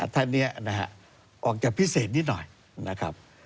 ท่านนี้นะฮะออกจากพิเศษนิดหน่อยนะครับ